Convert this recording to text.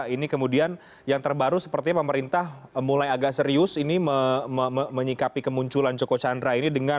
ini kemudian yang terbaru sepertinya pemerintah mulai agak serius ini menyikapi kemunculan joko chandra ini dengan